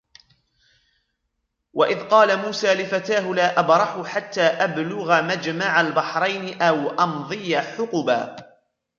وإذ قال موسى لفتاه لا أبرح حتى أبلغ مجمع البحرين أو أمضي حقبا